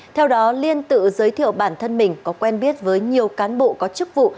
theo đó liên tự giới thiệu bản thân mình có quen biết với nhiều cán bộ có chức vụ